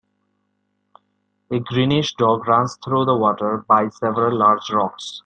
A greenish dog runs through the water by several large rocks.